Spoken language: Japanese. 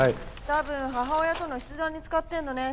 多分母親との筆談に使ってるのね。